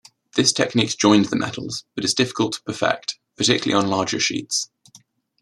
This technique joined the metals, but is difficult to perfect, particularly on larger sheets.